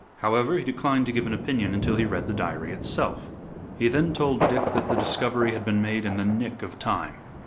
However, he declined to give an opinion until he read the diary itself. He then told Dick that the discovery had been made in the nick of time.